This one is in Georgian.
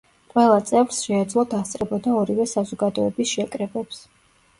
ყველა წევრს შეეძლო დასწრებოდა ორივე საზოგადოების შეკრებებს.